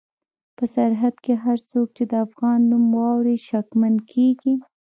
په سرحد کې هر څوک چې د افغان نوم واوري شکمن کېږي.